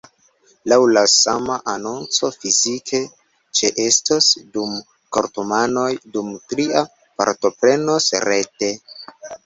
Laŭ la sama anonco, fizike ĉeestos du kortumanoj, dum tria partoprenos rete.